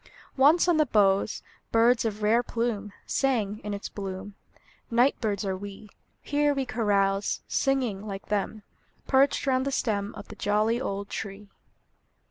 Once on the boughs Birds of rare plume Sang, in its bloom; Night birds are we; Here we carouse, Singing, like them, Perched round the stem Of the jolly old tree.